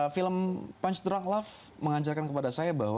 film punch drug love mengajarkan kepada saya bahwa